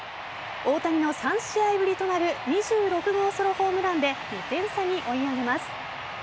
大谷の３試合ぶりとなる２６号ソロホームランで２点差に追い上げます。